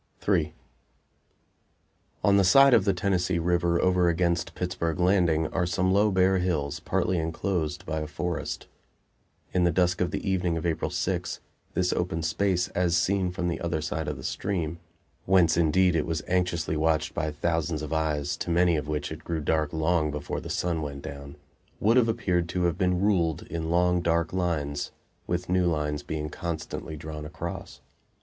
III On the side of the Tennessee River, over against Pittsburg Landing, are some low bare hills, partly inclosed by a forest. In the dusk of the evening of April 6 this open space, as seen from the other side of the stream whence, indeed, it was anxiously watched by thousands of eyes, to many of which it grew dark long before the sun went down would have appeared to have been ruled in long, dark lines, with new lines being constantly drawn across.